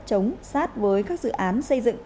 chống sát với các dự án xây dựng